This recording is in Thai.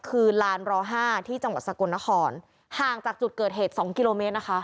คือลานรห้าที่จังหวัดสกลนครห่างจากจุดเกิดเหตุสองกิโลเมตรนะคะ